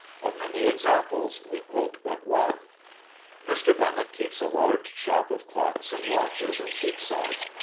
Of many examples we quote but one. Mr. Bennett keeps a large shop of clocks and watches in Cheapside.